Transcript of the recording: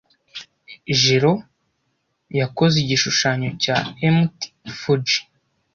Jiro yakoze igishushanyo cya Mt. Fuji.